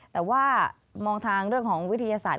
แต่ว่ามองทางเรื่องของวิทยาศาสต